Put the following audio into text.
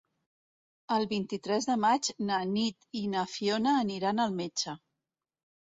El vint-i-tres de maig na Nit i na Fiona aniran al metge.